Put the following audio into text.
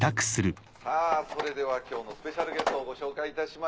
それでは今日のスペシャルゲストをご紹介いたしましょう。